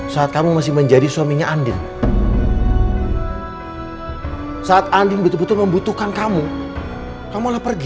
saat kamu masih menjadi suaminya andin saat andin betul betul membutuhkan kamu kamu lah pergi